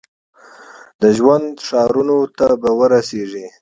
د ژوند ښارونو ته به ورسیږي ؟